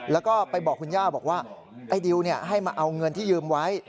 แล้วก็ไปบอกคุณย่าบอกว่าไอ้ดิวให้มาเอาเงินที่ยืมไว้